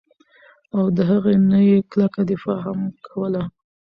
او د هغې نه ئي کلکه دفاع هم کوله